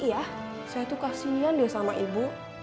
iya saya tuh kasian deh sama ibu